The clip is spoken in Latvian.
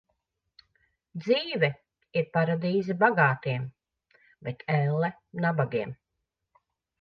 Dzīve ir paradīze bagātiem, bet elle nabagiem.